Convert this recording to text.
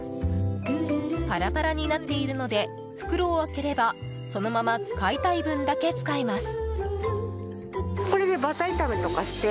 パラパラになっているので袋を開ければそのまま使いたい分だけ使えます。